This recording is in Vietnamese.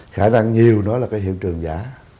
khả năng nhiều nó là cái hiện trường giả